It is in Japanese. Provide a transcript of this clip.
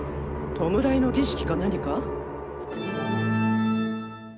弔いの儀式か何か？